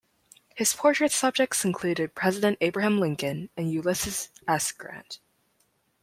His portrait subjects included President Abraham Lincoln and Ulysses S. Grant.